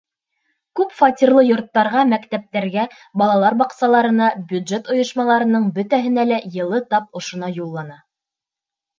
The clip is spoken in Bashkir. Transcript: Күп фатирлы йорттарға, мәктәптәргә, балалар баҡсаларына, бюджет ойошмаларының бөтәһенә лә йылы тап ошонан юллана.